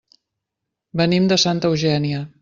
Venim de Santa Eugènia.